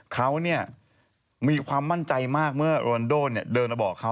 เขามีความมั่นใจมากเมื่อโรนโดเดินมาบอกเขา